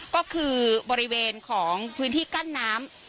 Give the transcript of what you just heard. ก็คือบริเวณของพื้นที่กั้นน้ำ